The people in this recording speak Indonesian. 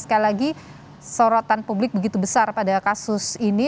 sekali lagi sorotan publik begitu besar pada kasus ini